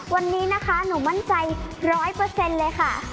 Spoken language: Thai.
วันนี้นะคะหนูมั่นใจร้อยเปอร์เซ็นต์เลยค่ะ